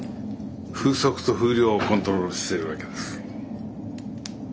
風速と風量をコントロールしてるわけです。